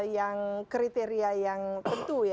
yang kriteria yang tentu